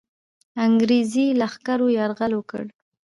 انګرېزي لښکرو یرغل وکړ.